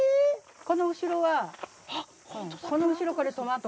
この後ろはこの後ろからトマト。